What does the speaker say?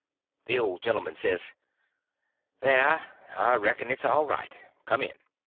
The old gentleman says: "There; I reckon it's all right. Come in."